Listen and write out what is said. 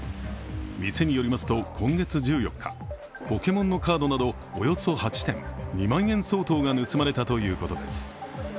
店によりますと、今月１４日、ポケモンのカードなどおよそ８点２万円相当が盗まれたということです。